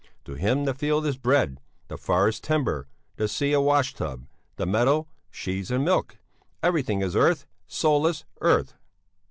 To him the field is bread, the forest timber, the sea a wash tub, the meadow cheese and milk everything is earth, soulless earth!